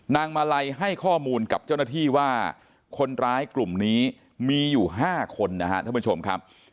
มาลัยให้ข้อมูลกับเจ้าหน้าที่ว่าคนร้ายกลุ่มนี้มีอยู่๕คนนะครับท่านผู้ชมครับ